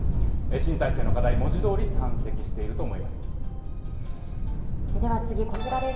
新体制の課題、文字どおり山積しでは次、こちらです。